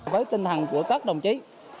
với tinh thần của các đồng chí